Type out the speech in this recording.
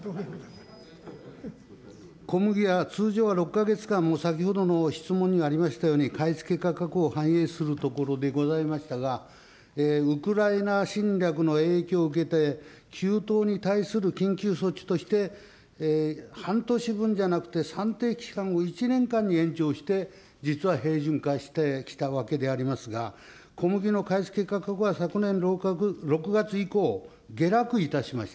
小麦は通常６か月間、先ほどの質問にありましたように、買い付け価格を反映するところでございましたが、ウクライナ侵略の影響を受けて、急騰に対する緊急措置として、半年分じゃなくて、算定期間を１年間に延長して、実は平準化してきたわけでありますが、小麦の買い付け価格は昨年６月以降、下落いたしました。